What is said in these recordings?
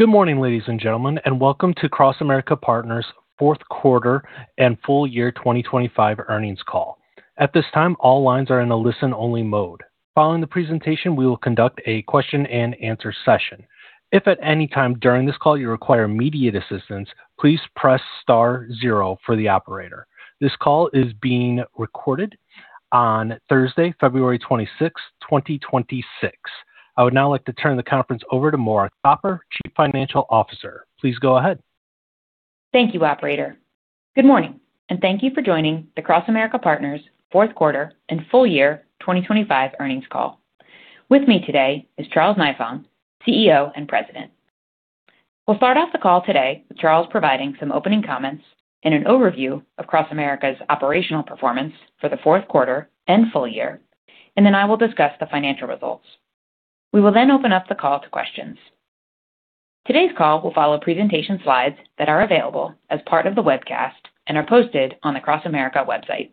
Good morning, ladies and gentlemen, and welcome to CrossAmerica Partners' fourth quarter and full year 2025 earnings call. At this time, all lines are in a listen-only mode. Following the presentation, we will conduct a question-and-answer session. If at any time during this call you require immediate assistance, please press star zero for the operator. This call is being recorded on Thursday, February 26, 2026. I would now like to turn the conference over to Maura Topper, Chief Financial Officer. Please go ahead. Thank you, Operator. Good morning, thank you for joining the CrossAmerica Partners' fourth quarter and full year 2025 earnings call. With me today is Charles Nifong, CEO and President. We'll start off the call today with Charles providing some opening comments and an overview of CrossAmerica's operational performance for the fourth quarter and full year, and then I will discuss the financial results. We will open up the call to questions. Today's call will follow presentation slides that are available as part of the webcast and are posted on the CrossAmerica website.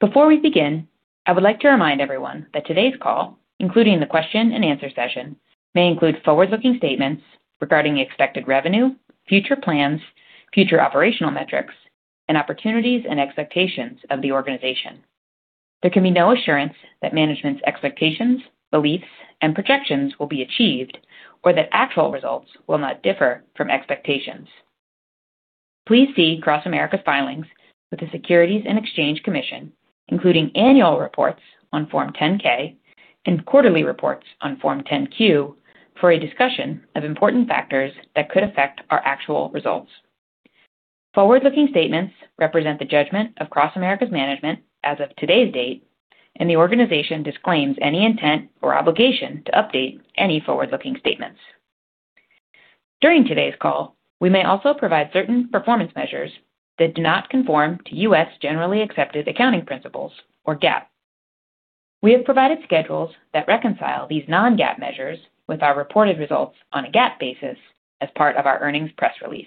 Before we begin, I would like to remind everyone that today's call, including the question and answer session, may include forward-looking statements regarding expected revenue, future plans, future operational metrics, and opportunities and expectations of the organization. There can be no assurance that management's expectations, beliefs, and projections will be achieved or that actual results will not differ from expectations. Please see CrossAmerica Partners' filings with the Securities and Exchange Commission, including annual reports on Form 10-K and quarterly reports on Form 10-Q, for a discussion of important factors that could affect our actual results. Forward-looking statements represent the judgment of CrossAmerica Partners' management as of today's date, the organization disclaims any intent or obligation to update any forward-looking statements. During today's call, we may also provide certain performance measures that do not conform to U.S. generally accepted accounting principles, or GAAP. We have provided schedules that reconcile these non-GAAP measures with our reported results on a GAAP basis as part of our earnings press release.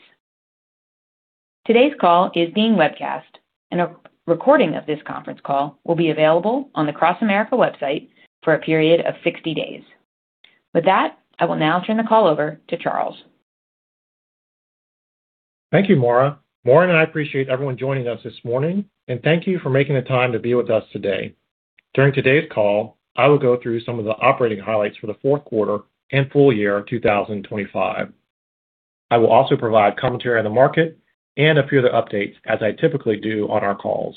Today's call is being webcast. A recording of this conference call will be available on the CrossAmerica website for a period of 60 days. With that, I will now turn the call over to Charles. Thank you, Maura. Maura and I appreciate everyone joining us this morning. Thank you for making the time to be with us today. During today's call, I will go through some of the operating highlights for the fourth quarter and full year 2025. I will also provide commentary on the market and a few other updates, as I typically do on our calls.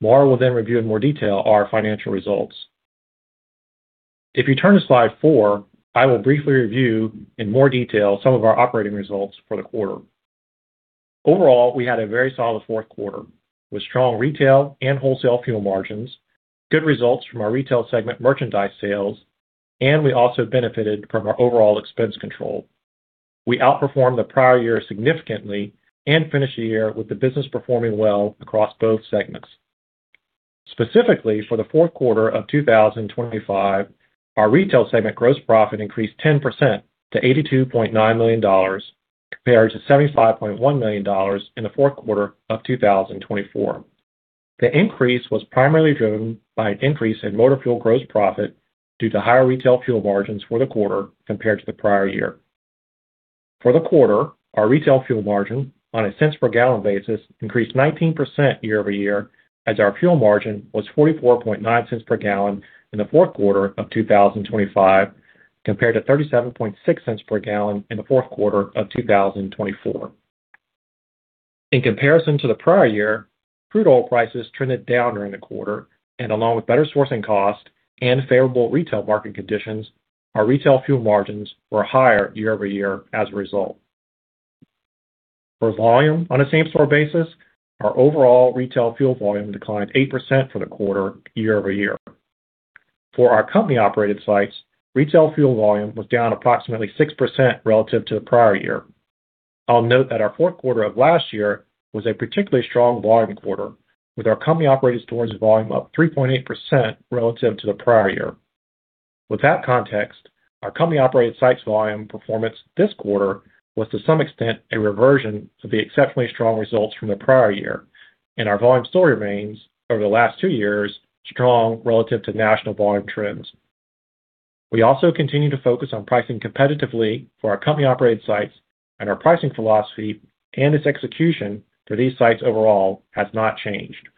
Maura will review in more detail our financial results. If you turn to slide four, I will briefly review in more detail some of our operating results for the quarter. Overall, we had a very solid fourth quarter, with strong retail and wholesale fuel margins, good results from our retail segment merchandise sales. We also benefited from our overall expense control. We outperformed the prior year significantly and finished the year with the business performing well across both segments. Specifically, for the fourth quarter of 2025, our retail segment gross profit increased 10% to $82.9 million, compared to $75.1 million in the fourth quarter of 2024. The increase was primarily driven by an increase in motor fuel gross profit due to higher retail fuel margins for the quarter compared to the prior year. For the quarter, our retail fuel margin on a cents per gallon basis increased 19% year-over-year, as our fuel margin was 44.9 cents per gallon in the fourth quarter of 2025, compared to 37.6 cents per gallon in the fourth quarter of 2024. In comparison to the prior year, crude oil prices trended down during the quarter, and along with better sourcing cost and favorable retail market conditions, our retail fuel margins were higher year-over-year as a result. For volume on a same-store basis, our overall retail fuel volume declined 8% for the quarter year-over-year. For our company-operated sites, retail fuel volume was down approximately 6% relative to the prior year. I'll note that our fourth quarter of last year was a particularly strong volume quarter, with our company-operated stores volume up 3.8% relative to the prior year. With that context, our company-operated sites volume performance this quarter was to some extent a reversion to the exceptionally strong results from the prior year, and our volume still remains over the last two years, strong relative to national volume trends. We also continue to focus on pricing competitively for our company-operated sites, and our pricing philosophy and its execution for these sites overall has not changed.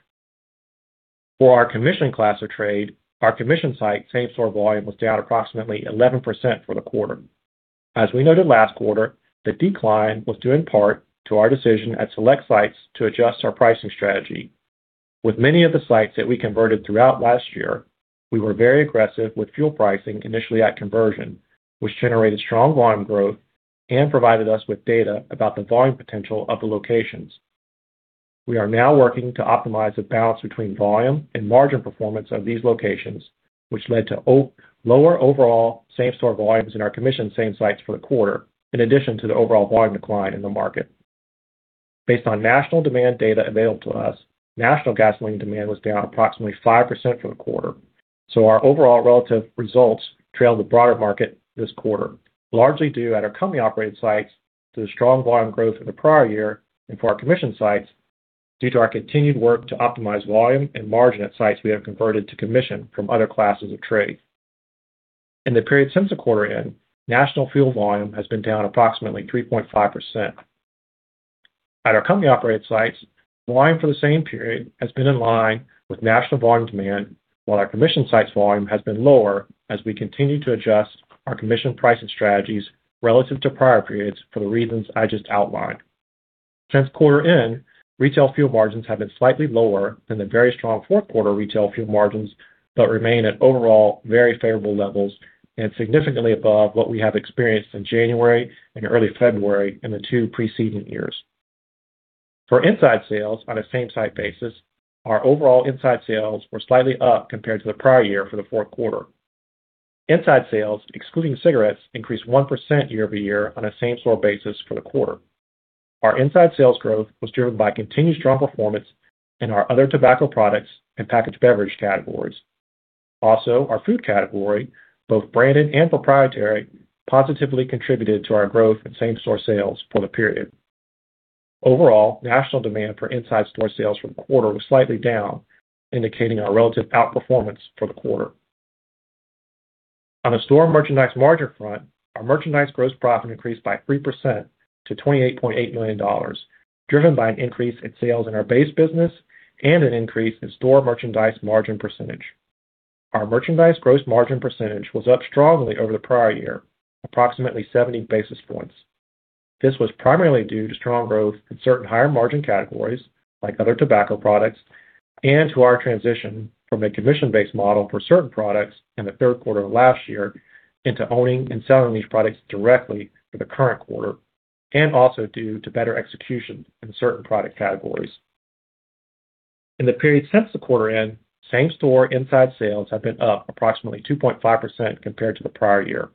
For our commission class of trade, our commission site same-store volume was down approximately 11% for the quarter. As we noted last quarter, the decline was due in part to our decision at select sites to adjust our pricing strategy. With many of the sites that we converted throughout last year, we were very aggressive with fuel pricing initially at conversion, which generated strong volume growth and provided us with data about the volume potential of the locations. We are now working to optimize the balance between volume and margin performance of these locations, which led to lower overall same-store volumes in our commission same sites for the quarter, in addition to the overall volume decline in the market. Based on national demand data available to us, national gasoline demand was down approximately 5% for the quarter. Our overall relative results trailed the broader market this quarter, largely due at our company-operated sites to the strong volume growth in the prior year, and for our commission sites due to our continued work to optimize volume and margin at sites we have converted to commission from other classes of trade. In the period since the quarter end, national fuel volume has been down approximately 3.5%. At our company-operated sites, volume for the same period has been in line with national volume demand, while our commission sites volume has been lower as we continue to adjust our commission pricing strategies relative to prior periods for the reasons I just outlined. Since quarter end, retail fuel margins have been slightly lower than the very strong fourth quarter retail fuel margins, but remain at overall very favorable levels and significantly above what we have experienced in January and early February in the two preceding years. For inside sales on a same-store basis, our overall inside sales were slightly up compared to the prior year for the fourth quarter. Inside sales, excluding cigarettes, increased 1% year-over-year on a same-store basis for the quarter. Our food category, both branded and proprietary, positively contributed to our growth in same-store sales for the period. Overall, national demand for inside store sales for the quarter was slightly down, indicating our relative outperformance for the quarter. On the store merchandise margin front, our merchandise gross profit increased by 3% to $28.8 million, driven by an increase in sales in our base business and an increase in store merchandise margin percentage. Our merchandise gross margin percentage was up strongly over the prior year, approximately 70 basis points. This was primarily due to strong growth in certain higher-margin categories, like other tobacco products, and to our transition from a commission-based model for certain products in the third quarter of last year into owning and selling these products directly for the current quarter, and also due to better execution in certain product categories. In the period since the quarter end, same-store inside sales have been up approximately 2.5% compared to the prior year.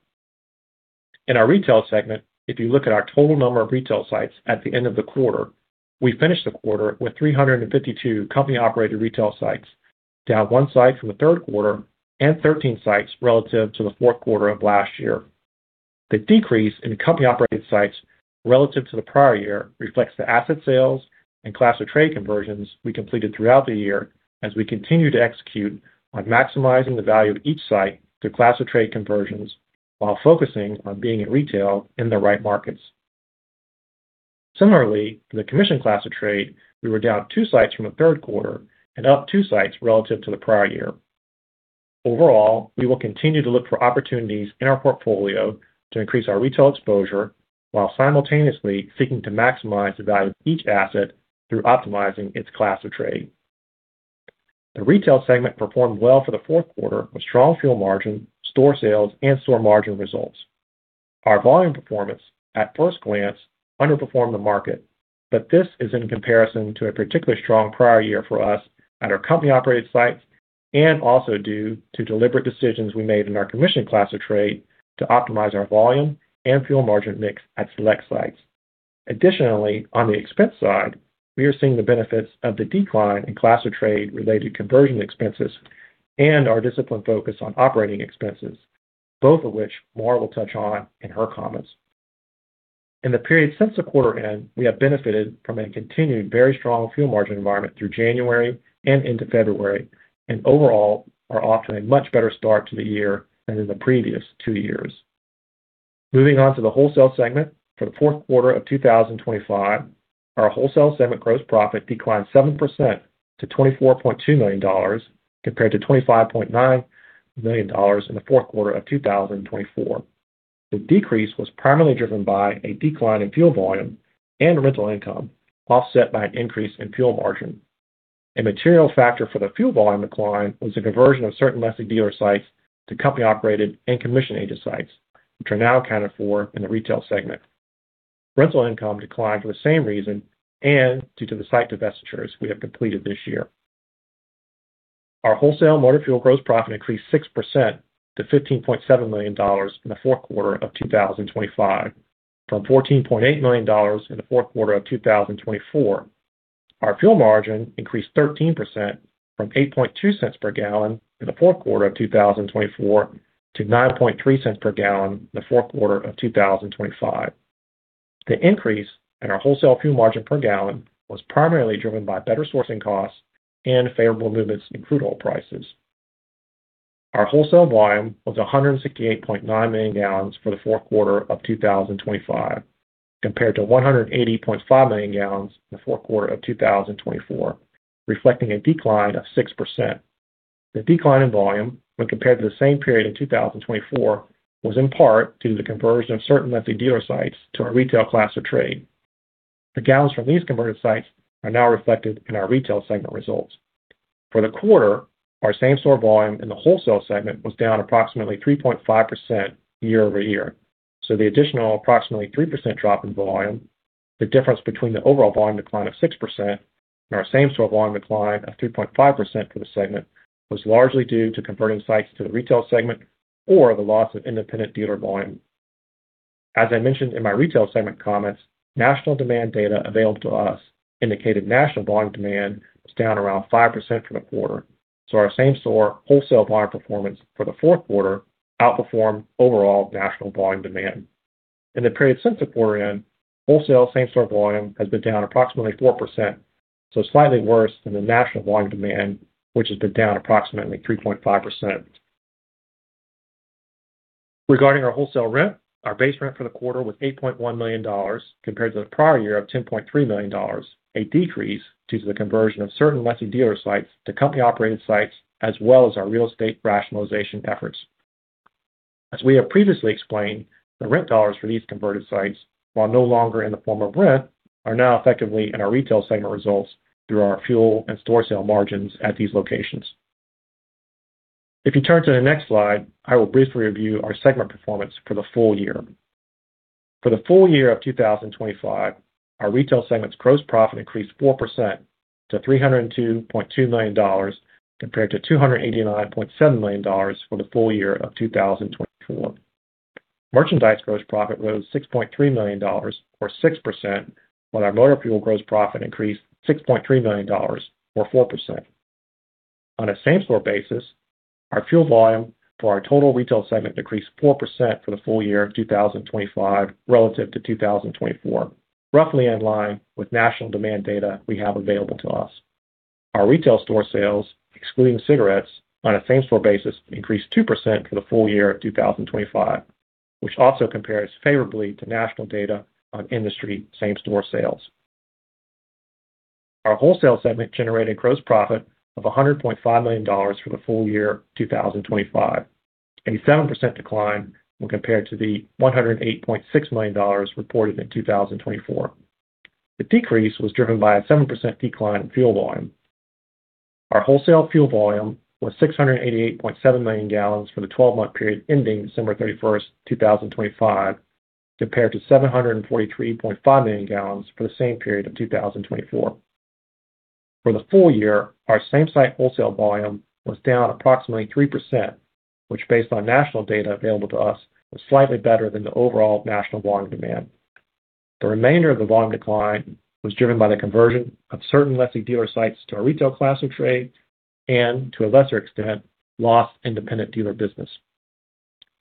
In our retail segment, if you look at our total number of retail sites at the end of the quarter, we finished the quarter with 352 company-operated retail sites, down 1 site from the third quarter and 13 sites relative to the fourth quarter of last year. The decrease in company-operated sites relative to the prior year reflects the asset sales and class of trade conversions we completed throughout the year as we continue to execute on maximizing the value of each site through class of trade conversions, while focusing on being in retail in the right markets. Similarly, in the commission class of trade, we were down 2 sites from the third quarter and up 2 sites relative to the prior year. Overall, we will continue to look for opportunities in our portfolio to increase our retail exposure while simultaneously seeking to maximize the value of each asset through optimizing its class of trade. The retail segment performed well for the fourth quarter, with strong fuel margin, store sales, and store margin results. Our volume performance, at first glance, underperformed the market, but this is in comparison to a particularly strong prior year for us at our company-operated sites and also due to deliberate decisions we made in our commission class of trade to optimize our volume and fuel margin mix at select sites. Additionally, on the expense side, we are seeing the benefits of the decline in class of trade-related conversion expenses and our disciplined focus on operating expenses, both of which Maura will touch on in her comments. In the period since the quarter end, we have benefited from a continued very strong fuel margin environment through January and into February, and overall are off to a much better start to the year than in the previous two years. Moving on to the wholesale segment. For the fourth quarter of 2025, our wholesale segment gross profit declined 7% to $24.2 million, compared to $25.9 million in the fourth quarter of 2024. The decrease was primarily driven by a decline in fuel volume and rental income, offset by an increase in fuel margin. A material factor for the fuel volume decline was the conversion of certain lessee dealer sites to company-operated and commission agent sites, which are now accounted for in the retail segment. Rental income declined for the same reason and due to the site divestitures we have completed this year. Our wholesale motor fuel gross profit increased 6% to $15.7 million in the fourth quarter of 2025, from $14.8 million in the fourth quarter of 2024. Our fuel margin increased 13% from 8.2 cents per gallon in the fourth quarter of 2024 to 9.3 cents per gallon in the fourth quarter of 2025. The increase in our wholesale fuel margin per gallon was primarily driven by better sourcing costs and favorable movements in crude oil prices. Our wholesale volume was 168.9 million gallons for the fourth quarter of 2025, compared to 180.5 million gallons in the fourth quarter of 2024, reflecting a decline of 6%. The decline in volume when compared to the same period in 2024, was in part due to the conversion of certain lessee dealer sites to our retail class of trade. The gallons from these converted sites are now reflected in our retail segment results. For the quarter, our same-store volume in the wholesale segment was down approximately 3.5% year-over-year. The additional approximately 3% drop in volume, the difference between the overall volume decline of 6% and our same-store volume decline of 2.5% for the segment, was largely due to converting sites to the retail segment or the loss of independent dealer volume. As I mentioned in my retail segment comments, national demand data available to us indicated national volume demand was down around 5% for the quarter. Our same-store wholesale volume performance for the fourth quarter outperformed overall national volume demand. In the period since the quarter end, wholesale same-store volume has been down approximately 4%, so slightly worse than the national volume demand, which has been down approximately 3.5%. Regarding our wholesale rent, our base rent for the quarter was $8.1 million, compared to the prior year of $10.3 million, a decrease due to the conversion of certain lessee dealer sites to company-operated sites, as well as our real estate rationalization efforts. As we have previously explained, the rent dollars for these converted sites, while no longer in the form of rent, are now effectively in our retail segment results through our fuel and store sale margins at these locations. If you turn to the next slide, I will briefly review our segment performance for the full year. For the full year of 2025, our retail segment's gross profit increased 4% to $302.2 million, compared to $289.7 million for the full year of 2024. Merchandise gross profit rose $6.3 million, or 6%, while our motor fuel gross profit increased $6.3 million, or 4%. On a same-store basis, our fuel volume for our total retail segment decreased 4% for the full year of 2025 relative to 2024, roughly in line with national demand data we have available to us. Our retail store sales, excluding cigarettes, on a same-store basis, increased 2% for the full year of 2025, which also compares favorably to national data on industry same-store sales. Our wholesale segment generated gross profit of $100.5 million for the full year 2025, a 7% decline when compared to the $108.6 million reported in 2024. The decrease was driven by a 7% decline in fuel volume. Our wholesale fuel volume was 688.7 million gallons for the 12-month period ending December 31st, 2025, compared to 743.5 million gallons for the same period of 2024. For the full year, our same-site wholesale volume was down approximately 3%, which, based on national data available to us, was slightly better than the overall national volume demand. The remainder of the volume decline was driven by the conversion of certain lessee dealer sites to our retail class of trade and, to a lesser extent, lost independent dealer business.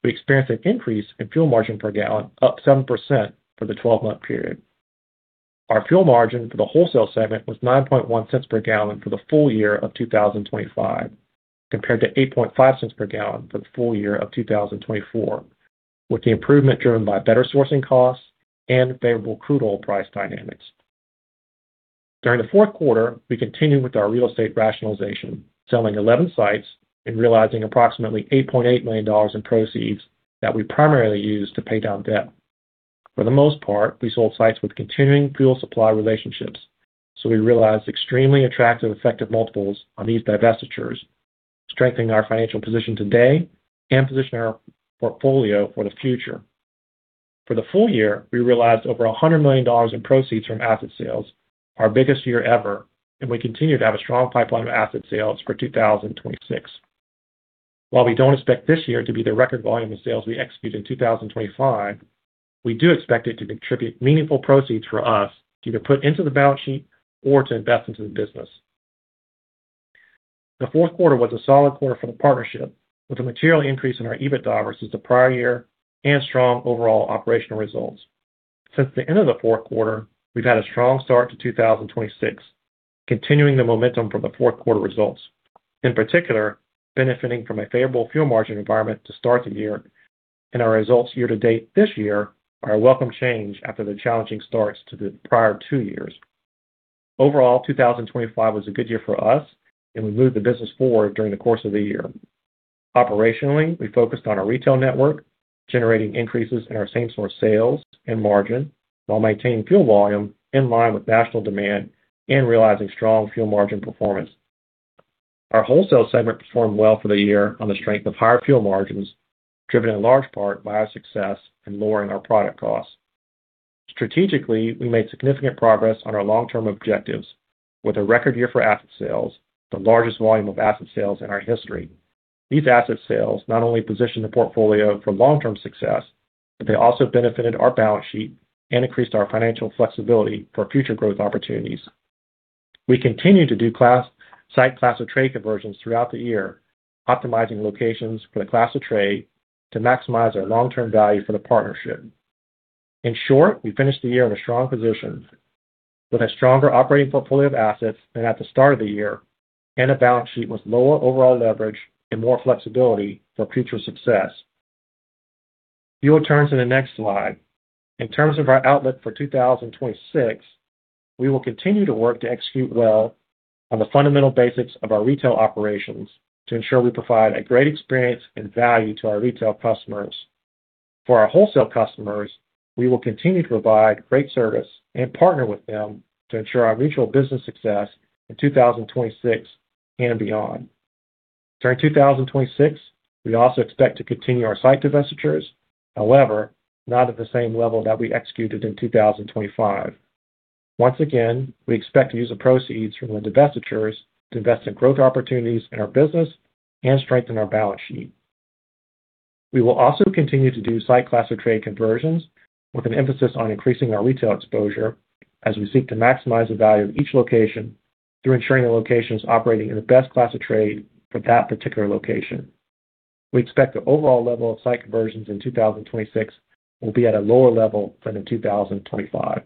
We experienced an increase in fuel margin per gallon, up 7% for the 12-month period. Our fuel margin for the wholesale segment was 9.1 cents per gallon for the full year of 2025, compared to 8.5 cents per gallon for the full year of 2024, with the improvement driven by better sourcing costs and favorable crude oil price dynamics. During the fourth quarter, we continued with our real estate rationalization, selling 11 sites and realizing approximately $8.8 million in proceeds that we primarily used to pay down debt. For the most part, we sold sites with continuing fuel supply relationships, so we realized extremely attractive effective multiples on these divestitures, strengthening our financial position today and positioning our portfolio for the future. For the full year, we realized over $100 million in proceeds from asset sales, our biggest year ever. We continue to have a strong pipeline of asset sales for 2026. We don't expect this year to be the record volume of sales we executed in 2025, we do expect it to contribute meaningful proceeds for us to either put into the balance sheet or to invest into the business. The fourth quarter was a solid quarter for the partnership, with a material increase in our EBITDA versus the prior year and strong overall operational results. Since the end of the fourth quarter, we've had a strong start to 2026, continuing the momentum from the fourth quarter results, in particular, benefiting from a favorable fuel margin environment to start the year, and our results year to date this year are a welcome change after the challenging starts to the prior two years. Overall, 2025 was a good year for us, and we moved the business forward during the course of the year. Operationally, we focused on our retail network, generating increases in our same-store sales and margin while maintaining fuel volume in line with national demand and realizing strong fuel margin performance. Our wholesale segment performed well for the year on the strength of higher fuel margins, driven in large part by our success in lowering our product costs. Strategically, we made significant progress on our long-term objectives with a record year for asset sales, the largest volume of asset sales in our history. These asset sales not only position the portfolio for long-term success, but they also benefited our balance sheet and increased our financial flexibility for future growth opportunities. We continue to do site class of trade conversions throughout the year, optimizing locations for the class of trade to maximize our long-term value for the partnership. In short, we finished the year in a strong position, with a stronger operating portfolio of assets than at the start of the year and a balance sheet with lower overall leverage and more flexibility for future success. If you would turn to the next slide. In terms of our outlook for 2026, we will continue to work to execute well on the fundamental basics of our retail operations to ensure we provide a great experience and value to our retail customers. For our wholesale customers, we will continue to provide great service and partner with them to ensure our mutual business success in 2026 and beyond. During 2026, we also expect to continue our site divestitures, however, not at the same level that we executed in 2025. Once again, we expect to use the proceeds from the divestitures to invest in growth opportunities in our business and strengthen our balance sheet. We will also continue to do site class of trade conversions with an emphasis on increasing our retail exposure as we seek to maximize the value of each location-... through ensuring the location is operating in the best class of trade for that particular location. We expect the overall level of site conversions in 2026 will be at a lower level than in 2025.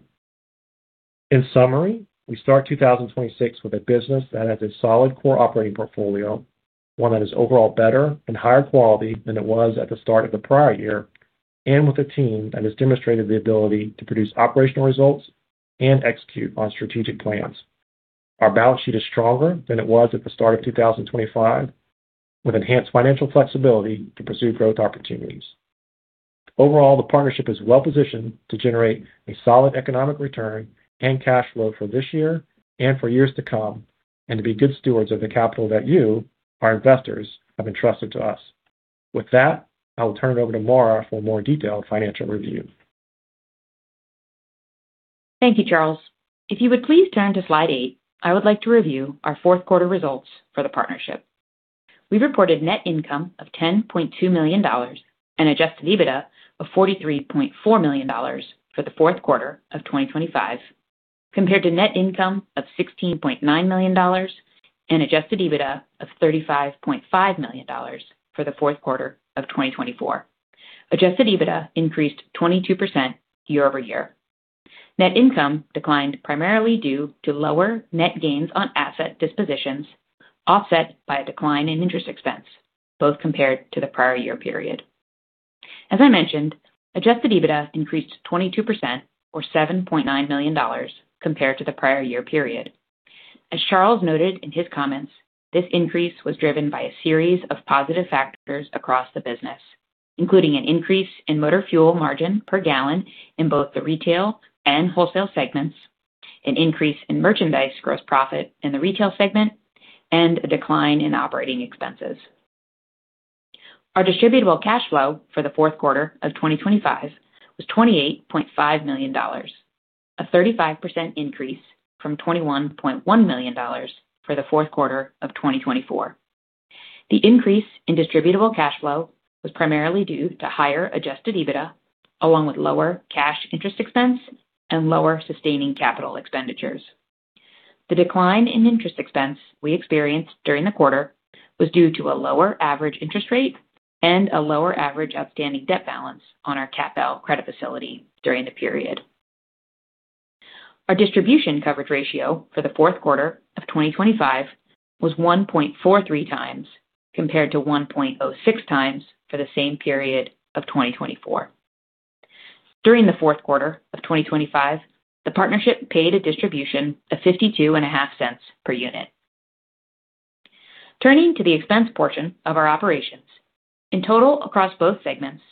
In summary, we start 2026 with a business that has a solid core operating portfolio, one that is overall better and higher quality than it was at the start of the prior year, and with a team that has demonstrated the ability to produce operational results and execute on strategic plans. Our balance sheet is stronger than it was at the start of 2025, with enhanced financial flexibility to pursue growth opportunities. Overall, the partnership is well-positioned to generate a solid economic return and cash flow for this year and for years to come, and to be good stewards of the capital that you, our investors, have entrusted to us. With that, I will turn it over to Maura for a more detailed financial review. Thank you, Charles Nifong. If you would please turn to slide 8, I would like to review our fourth quarter results for the partnership. We reported net income of $10.2 million and Adjusted EBITDA of $43.4 million for the fourth quarter of 2025, compared to net income of $16.9 million and Adjusted EBITDA of $35.5 million for the fourth quarter of 2024. Adjusted EBITDA increased 22% year-over-year. Net income declined primarily due to lower net gains on asset dispositions, offset by a decline in interest expense, both compared to the prior year period. As I mentioned, Adjusted EBITDA increased 22% or $7.9 million compared to the prior year period. As Charles Nifong noted in his comments, this increase was driven by a series of positive factors across the business, including an increase in motor fuel margin per gallon in both the retail and wholesale segments, an increase in merchandise gross profit in the retail segment, and a decline in operating expenses. Our Distributable Cash Flow for the fourth quarter of 2025 was $28.5 million, a 35% increase from $21.1 million for the fourth quarter of 2024. The increase in Distributable Cash Flow was primarily due to higher Adjusted EBITDA, along with lower cash interest expense and lower sustaining capital expenditures. The decline in interest expense we experienced during the quarter was due to a lower average interest rate and a lower average outstanding debt balance on our CAPL Credit Facility during the period. Our Distribution Coverage Ratio for the fourth quarter of 2025 was 1.43 times, compared to 1.06 times for the same period of 2024. During the fourth quarter of 2025, the partnership paid a distribution of $0.525 per unit. Turning to the expense portion of our operations. In total, across both segments,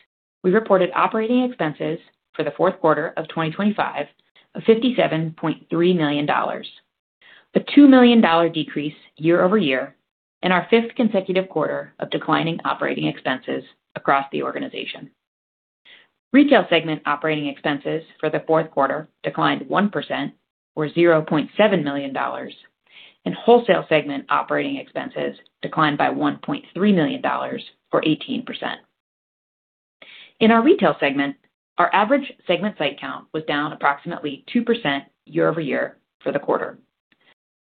we reported operating expenses for the fourth quarter of 2025 of $57.3 million. A $2 million decrease year-over-year, and our fifth consecutive quarter of declining operating expenses across the organization. Retail segment operating expenses for the fourth quarter declined 1%, or $0.7 million, and wholesale segment operating expenses declined by $1.3 million, or 18%. In our retail segment, our average segment site count was down approximately 2% year-over-year for the quarter.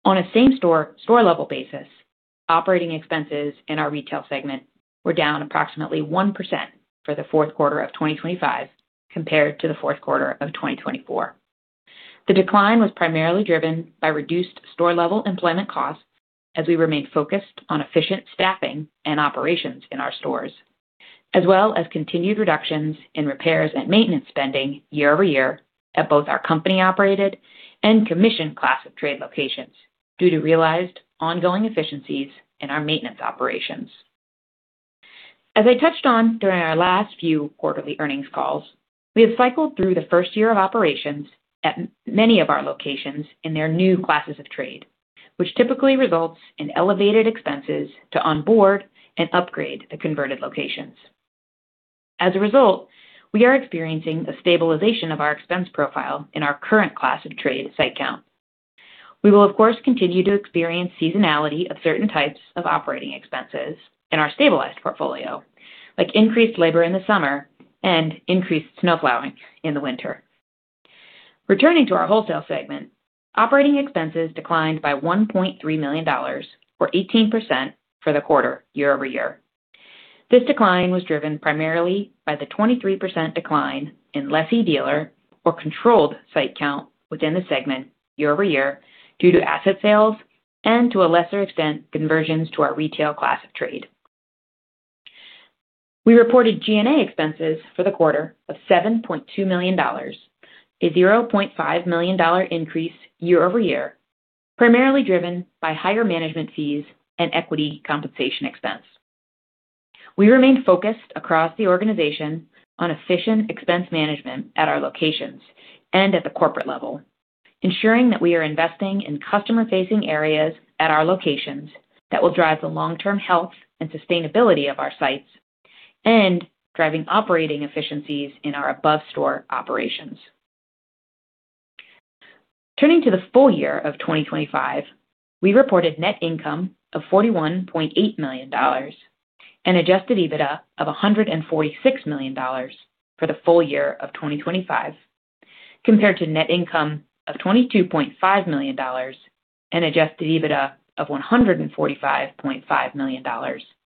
On a same-store store-level basis, operating expenses in our retail segment were down approximately 1% for the fourth quarter of 2025 compared to the fourth quarter of 2024. The decline was primarily driven by reduced store-level employment costs as we remained focused on efficient staffing and operations in our stores, as well as continued reductions in repairs and maintenance spending year-over-year at both our company-operated and commission class of trade locations due to realized ongoing efficiencies in our maintenance operations. As I touched on during our last few quarterly earnings calls, we have cycled through the first year of operations at many of our locations in their new classes of trade, which typically results in elevated expenses to onboard and upgrade the converted locations. As a result, we are experiencing a stabilization of our expense profile in our current class of trade site count. We will, of course, continue to experience seasonality of certain types of operating expenses in our stabilized portfolio, like increased labor in the summer and increased snowplowing in the winter. Returning to our wholesale segment, operating expenses declined by $1.3 million, or 18%, for the quarter year-over-year. This decline was driven primarily by the 23% decline in lessee dealer or controlled site count within the segment year-over-year, due to asset sales and, to a lesser extent, conversions to our retail class of trade. We reported G&A expenses for the quarter of $7.2 million, a $0.5 million increase year-over-year, primarily driven by higher management fees and equity compensation expense. We remain focused across the organization on efficient expense management at our locations and at the corporate level, ensuring that we are investing in customer-facing areas at our locations that will drive the long-term health and sustainability of our sites and driving operating efficiencies in our above-store operations. Turning to the full year of 2025, we reported net income of $41.8 million. Adjusted EBITDA of $146 million for the full year of 2025, compared to net income of $22.5 million and Adjusted EBITDA of $145.5 million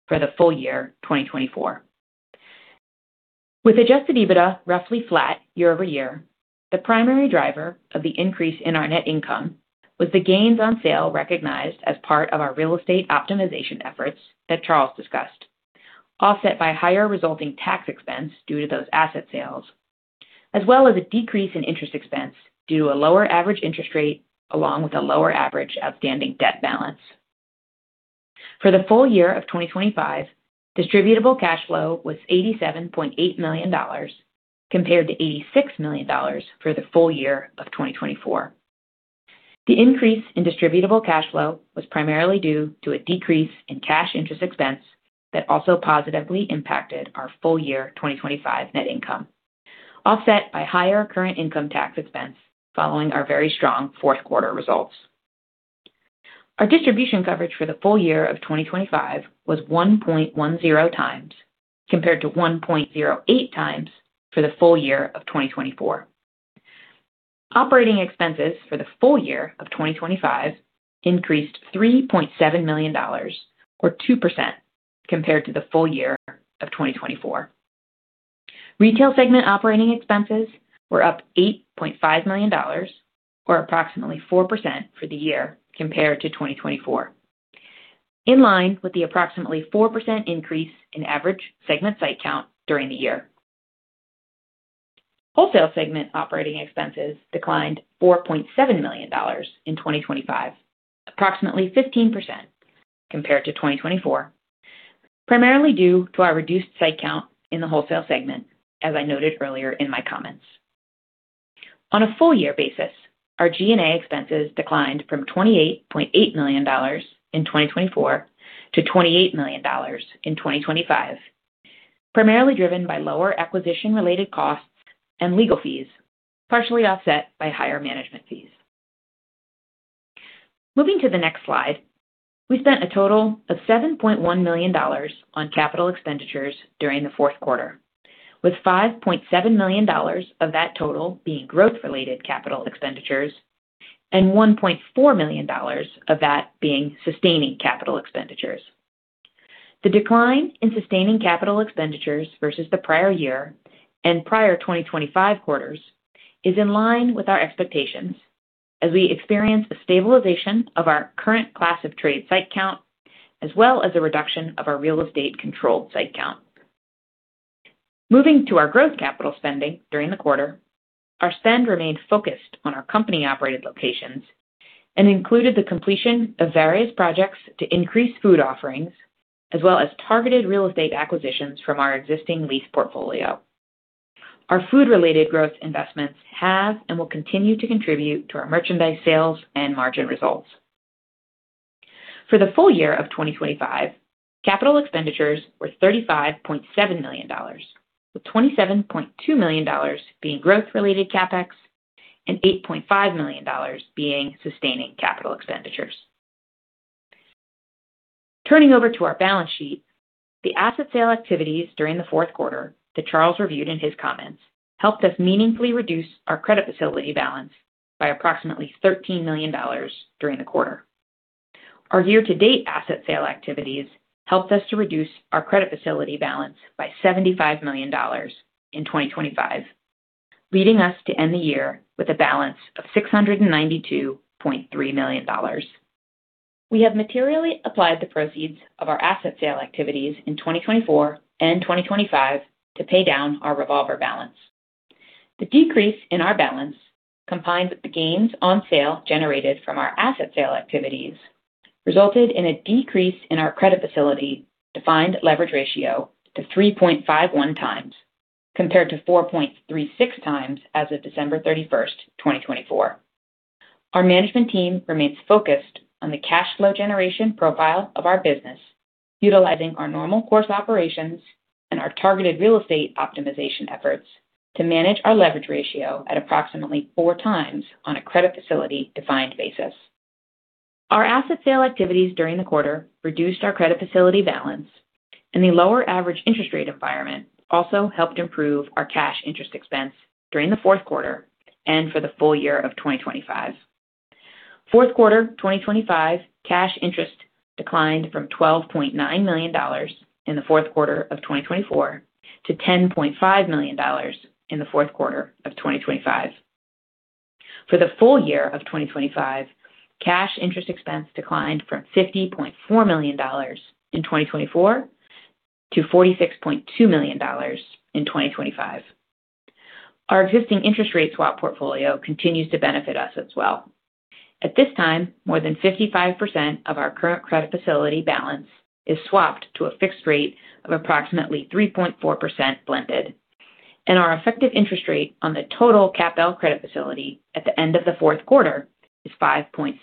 for the full year, 2024. With Adjusted EBITDA roughly flat year over year, the primary driver of the increase in our net income was the gains on sale recognized as part of our real estate optimization efforts that Charles discussed, offset by higher resulting tax expense due to those asset sales, as well as a decrease in interest expense due to a lower average interest rate, along with a lower average outstanding debt balance. For the full year of 2025, Distributable Cash Flow was $87.8 million, compared to $86 million for the full year of 2024. The increase in Distributable Cash Flow was primarily due to a decrease in cash interest expense that also positively impacted our full year 2025 net income, offset by higher current income tax expense following our very strong fourth quarter results. Our distribution coverage for the full year of 2025 was 1.10 times, compared to 1.08 times for the full year of 2024. Operating expenses for the full year of 2025 increased $3.7 million, or 2% compared to the full year of 2024. Retail segment operating expenses were up $8.5 million, or approximately 4% for the year compared to 2024. In line with the approximately 4% increase in average segment site count during the year. Wholesale segment operating expenses declined $4.7 million in 2025, approximately 15% compared to 2024, primarily due to our reduced site count in the wholesale segment, as I noted earlier in my comments. On a full year basis, our G&A expenses declined from $28.8 million in 2024 to $28 million in 2025, primarily driven by lower acquisition-related costs and legal fees, partially offset by higher management fees. Moving to the next slide, we spent a total of $7.1 million on capital expenditures during the fourth quarter, with $5.7 million of that total being growth-related capital expenditures and $1.4 million of that being sustaining capital expenditures. The decline in sustaining capital expenditures versus the prior year and prior 2025 quarters is in line with our expectations as we experience a stabilization of our current class of trade site count, as well as a reduction of our real estate controlled site count. Moving to our growth capital spending during the quarter, our spend remained focused on our company-operated locations and included the completion of various projects to increase food offerings, as well as targeted real estate acquisitions from our existing lease portfolio. Our food-related growth investments have and will continue to contribute to our merchandise sales and margin results. For the full year of 2025, capital expenditures were $35.7 million, with $27.2 million being growth-related CapEx and $8.5 million being sustaining capital expenditures. The asset sale activities during the fourth quarter that Charles reviewed in his comments helped us meaningfully reduce our credit facility balance by approximately $13 million during the quarter. Our year-to-date asset sale activities helped us to reduce our credit facility balance by $75 million in 2025, leading us to end the year with a balance of $692.3 million. We have materially applied the proceeds of our asset sale activities in 2024 and 2025 to pay down our revolver balance. The decrease in our balance, combined with the gains on sale generated from our asset sale activities, resulted in a decrease in our credit facility defined leverage ratio to 3.51x, compared to 4.36x as of December 31st, 2024. Our management team remains focused on the cash flow generation profile of our business, utilizing our normal course operations and our targeted real estate optimization efforts to manage our leverage ratio at approximately 4x on a credit facility defined basis. Our asset sale activities during the quarter reduced our credit facility balance, and the lower average interest rate environment also helped improve our cash interest expense during the fourth quarter and for the full year of 2025. Fourth quarter 2025, cash interest declined from $12.9 million in the fourth quarter of 2024 to $10.5 million in the fourth quarter of 2025. For the full year of 2025, cash interest expense declined from $50.4 million in 2024 to $46.2 million in 2025. Our existing interest rate swap portfolio continues to benefit us as well. At this time, more than 55% of our current credit facility balance is swapped to a fixed rate of approximately 3.4% blended. Our effective interest rate on the total CAPL Credit Facility at the end of the fourth quarter is 5.6%.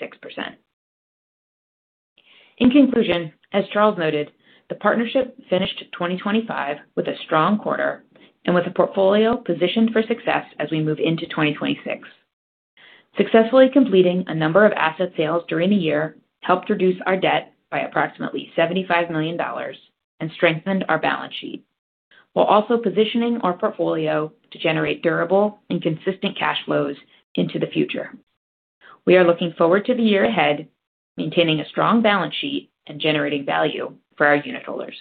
In conclusion, as Charles Nifong noted, the partnership finished 2025 with a strong quarter and with a portfolio positioned for success as we move into 2026. Successfully completing a number of asset sales during the year helped reduce our debt by approximately $75 million and strengthened our balance sheet, while also positioning our portfolio to generate durable and consistent cash flows into the future. We are looking forward to the year ahead, maintaining a strong balance sheet and generating value for our unitholders.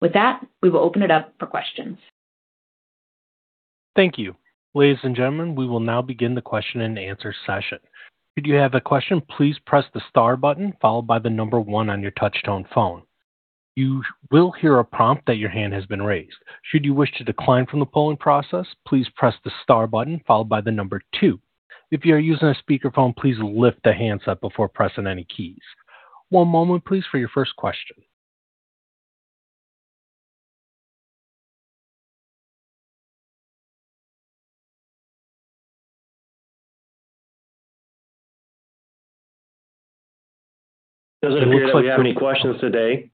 With that, we will open it up for questions. Thank you. Ladies and gentlemen, we will now begin the question and answer session. If you have a question, please press the star button followed by the number one on your touchtone phone. You will hear a prompt that your hand has been raised. Should you wish to decline from the polling process, please press the star button followed by the number two. If you are using a speakerphone, please lift the handset before pressing any keys. One moment, please, for your first question. Doesn't appear like we have any questions today.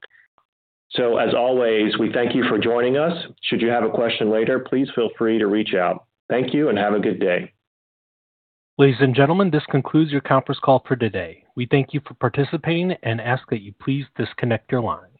As always, we thank you for joining us. Should you have a question later, please feel free to reach out. Thank you and have a good day. Ladies and gentlemen, this concludes your conference call for today. We thank you for participating and ask that you please disconnect your lines.